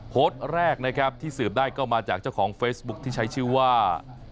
โพสต์แรกนะครับที่สืบได้ก็มาจากเจ้าของเฟซบุ๊คที่ใช้ชื่อว่า